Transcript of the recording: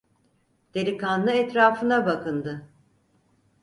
Delikanlı etrafına bakındı.